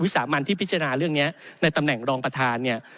สามัญที่พิจารณาเรื่องนี้ในตำแหน่งรองประธานเนี่ย